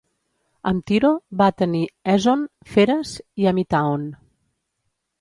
Amb Tiro, va tenir Èson, Feres i Amitàon.